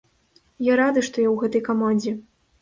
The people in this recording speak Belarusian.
Я рады, што я ў гэтай камандзе.